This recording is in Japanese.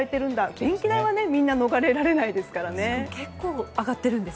電気代はみんな逃れられないですからね。